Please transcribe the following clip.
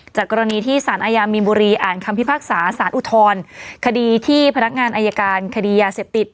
กรณีที่สารอาญามีนบุรีอ่านคำพิพากษาสารอุทธรณ์คดีที่พนักงานอายการคดียาเสพติด